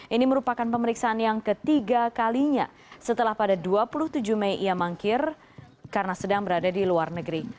ini merupakan pemeriksaan yang ketiga kalinya setelah pada dua puluh tujuh mei ia mangkir karena sedang berada di luar negeri